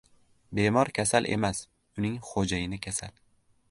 • Bemor kasal emas, uning xo‘jayini kasal.